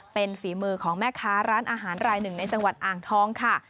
เป็นฝีมือของแม่ค้าร้านอาหารรายหนึ่งในจังหวัดอ่างทองค่ะ